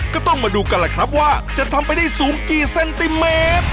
ก็ต้องมาดูกันแหละครับว่าจะทำไปได้สูงกี่เซนติเมตร